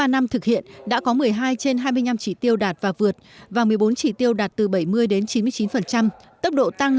ba năm thực hiện đã có một mươi hai trên hai mươi năm chỉ tiêu đạt và vượt và một mươi bốn chỉ tiêu đạt từ bảy mươi đến chín mươi chín tốc độ tăng